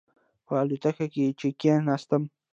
په الوتکه کې چې کېناستم.